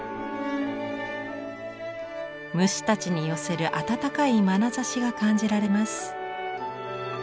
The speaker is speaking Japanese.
虫たちに寄せる温かいまなざしが感じられます。